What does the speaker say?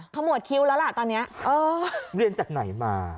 ขมวดคิ้วแล้วล่ะตอนนี้เออเรียนจากไหนมา